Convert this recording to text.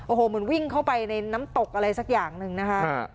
โอ้โหเหมือนวิ่งเข้าไปในน้ำตกอะไรสักอย่างหนึ่งนะคะ